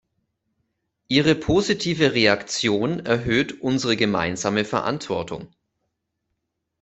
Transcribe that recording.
Ihre positive Reaktion erhöht unsere gemeinsame Verantwortung.